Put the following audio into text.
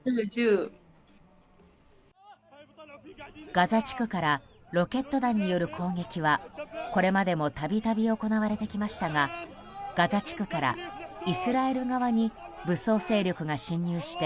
ガザ地区からロケット弾による攻撃はこれまでも度々、行われてきましたがガザ地区からイスラエル側に武装集団が侵入して